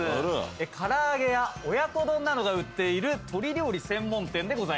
唐揚げや親子丼などが売っている鶏料理専門店でございます。